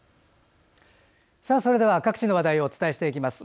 それでは各地の話題をお伝えしていきます。